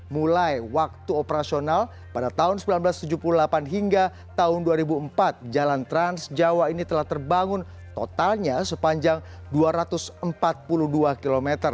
mulai waktu operasional pada tahun seribu sembilan ratus tujuh puluh delapan hingga tahun dua ribu empat jalan trans jawa ini telah terbangun totalnya sepanjang dua ratus empat puluh dua km